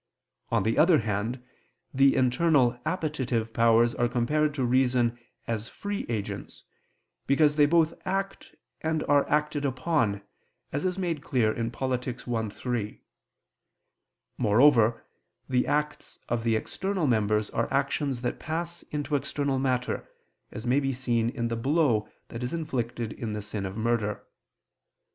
On the other hand, the internal appetitive powers are compared to reason as free agents, because they both act and are acted upon, as is made clear in _Polit._i, 3. Moreover, the acts of the external members are actions that pass into external matter, as may be seen in the blow that is inflicted in the sin of murder.